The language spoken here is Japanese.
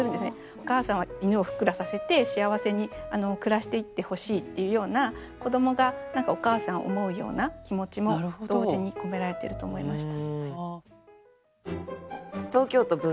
お母さんは犬をふっくらさせて幸せに暮らしていってほしいっていうような子どもが何かお母さんを思うような気持ちも同時に込められてると思いました。